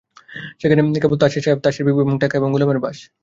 সেখানে কেবল তাসের সাহেব, তাসের বিবি, টেক্কা এবং গোলামের বাস।